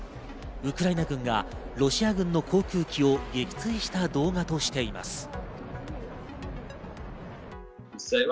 ウクライナ軍がロシア軍の航空機を撃墜した動画としています。